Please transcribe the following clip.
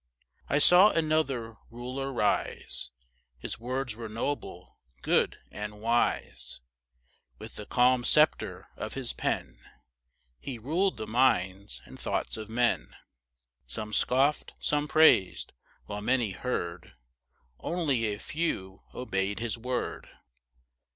I saw another Ruler rise His words were noble, good, and wise; With the calm sceptre of his pen He ruled the minds and thoughts of men; Some scoffed, some praised while many heard, Only a few obeyed his word.